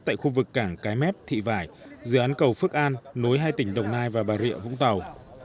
tại khu vực cảng cái mép thị vải dưới án cầu phước an nối hai tỉnh đồng nai và bà rịa vũng tàu